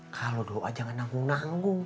kalau doa jangan nanggung nanggung